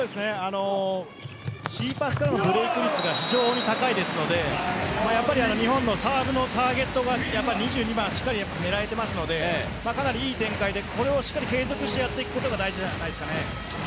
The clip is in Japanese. Ｃパスからのブロック率が非常に高いですので日本のサーブのターゲットが２２番をしっかり狙えているのでかなりいい展開でこれをしっかり継続してやっていくことが大事です。